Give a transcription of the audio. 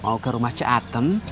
mau ke rumah c atem